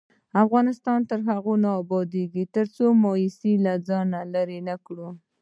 افغانستان تر هغو نه ابادیږي، ترڅو مایوسي له ځانه لیرې نکړو.